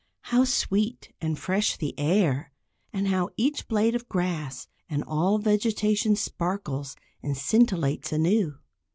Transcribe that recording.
How sweet and fresh the air, and how each blade of grass, and all vegetation sparkles and scintillates anew.